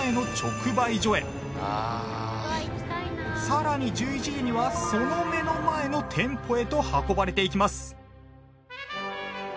さらに１１時にはその目の前の店舗へと運ばれていきます。